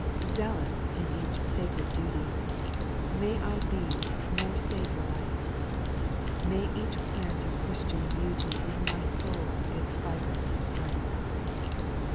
' 3. ( Zealous in each sacred duty, May I be more Saviour like ; May each plant of Christian beauty In my soul its fibres strike ;—' 4.